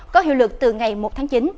có hiệu lực từ ngày một tháng chín